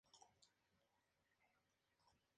Tuvieron siete hijos.